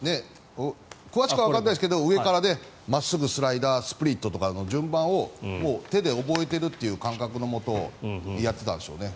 詳しくはわからないですが上から真っすぐ、スライダースプリットとかの順番を手で覚えてるという感覚のもとやってたんでしょうね。